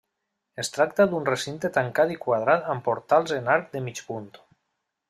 Es tracta d'un recinte tancat i quadrat amb portals en arc de mig punt.